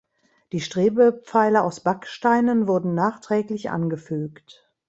Die Strebepfeiler aus Backsteinen wurden nachträglich angefügt.